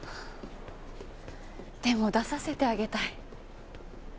でも出させてあげたい。